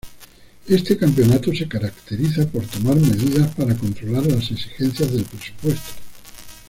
Este campeonato se caracteriza por tomar medidas para controlar las exigencias del presupuesto.